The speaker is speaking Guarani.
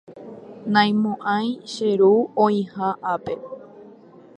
naimo'ãi che ru oĩha ápe